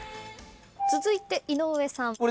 続いて井上さん。